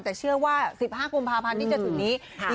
แต่เชื่อว่า๑๕กุมภาพันธ์ที่จะถึงนี้